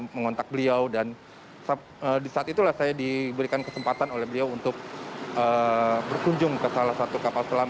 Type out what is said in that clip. mengontak beliau dan di saat itulah saya diberikan kesempatan oleh beliau untuk berkunjung ke salah satu kapal selam